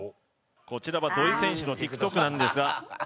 こちらは土井選手のＴｉｋＴｏｋなんですがＯＫ